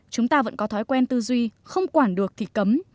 chúng ta vẫn có thói quen tư duy không quản được thì cấm